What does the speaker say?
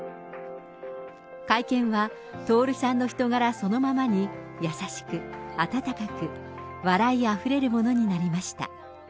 会見は、徹さんの人柄そのままに、優しく、温かく、笑いあふれるものになりました。